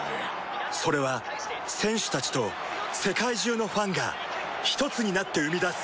それは選手たちと世界中のファンがひとつになって生み出す